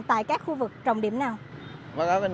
tại các khu vực trọng điểm nào